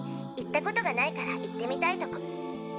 行ったことがないから行ってみたいとこ。